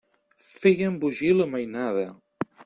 Feia embogir la mainada.